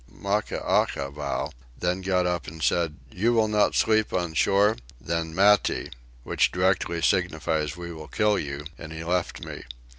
Maccaackavow then got up and said: "You will not sleep on shore? then Mattie" (which directly signifies we will kill you) and he left me.